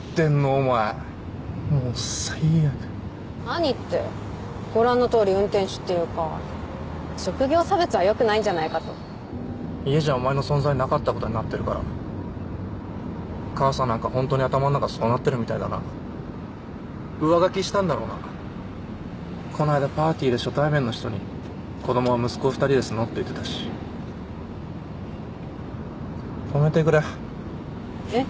お前もう最悪何ってご覧のとおり運転手っていうか職業差別はよくないんじゃないかと家じゃお前の存在なかったことになってるから母さんなんか本当に頭の中そうなってるみたいだな上書きしたんだろうなこないだパーティーで初対面の人に「子どもは息子２人ですの」って言ってたし止めてくれえっ？